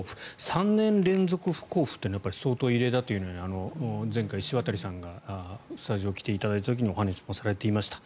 ３年連続不交付というのは相当異例だと前回、石渡さんがスタジオに来ていただいた時にお話もされていました。